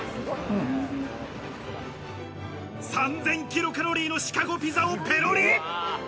キロカロリーのシカゴピザをペロリ。